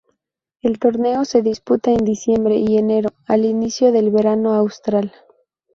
El torneo se disputa en diciembre y enero, al inicio del verano austral.